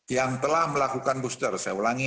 yang telah melakukan booster saya ulangi